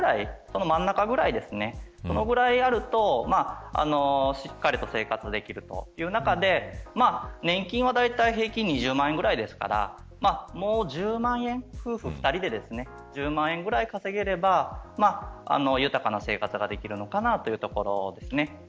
この真ん中くらいあるとしっかりと生活できるという中で年金はだいたい平均２０万円ぐらいですからもう１０万円、夫婦２人で１０万円ぐらい稼げれば豊かな生活ができるのかなというところです。